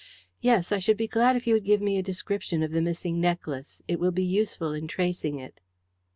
"Yes. I should be glad if you would give me a description of the missing necklace. It will be useful in tracing it."